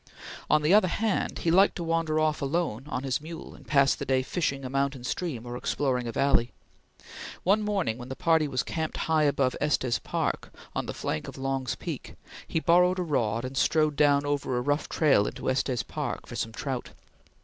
On the other hand, he liked to wander off alone on his mule, and pass the day fishing a mountain stream or exploring a valley. One morning when the party was camped high above Estes Park, on the flank of Long's Peak, he borrowed a rod, and rode down over a rough trail into Estes Park, for some trout.